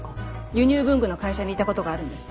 輸入文具の会社にいたことがあるんです。